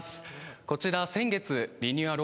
こちら、先月リニューアル